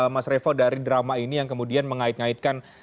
mas revo dari drama ini yang kemudian mengait ngaitkan